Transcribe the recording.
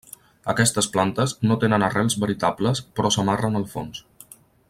Aquestes plantes no tenen arrels veritables però s'amarren al fons.